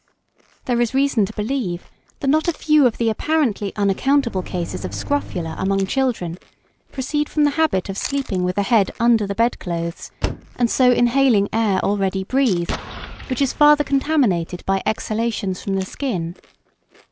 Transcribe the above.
] There is reason to believe that not a few of the apparently unaccountable cases of scrofula among children proceed from the habit of sleeping with the head under the bed clothes, and so inhaling air already breathed, which is farther contaminated by exhalations from the skin.